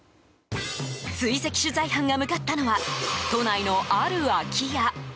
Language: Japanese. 追跡取材班が向かったのは都内のある空き家。